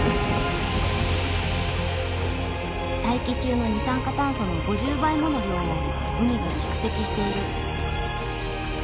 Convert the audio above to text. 大気中の二酸化炭素の５０倍もの量を海が蓄積している。